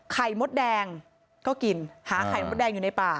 มดแดงก็กินหาไข่มดแดงอยู่ในป่า